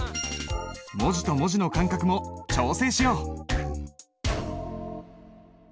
文字と文字の間隔も調整しよう！